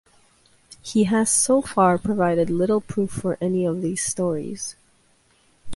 He has - so far - provided little proof for any of these stories.